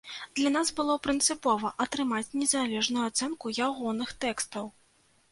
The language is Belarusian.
Для нас было прынцыпова атрымаць незалежную ацэнку ягоных тэкстаў.